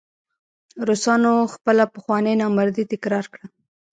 روسانو خپله پخوانۍ نامردي تکرار کړه.